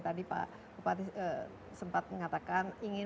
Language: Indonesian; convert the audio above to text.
tadi pak kupati sempat mengatakan ingin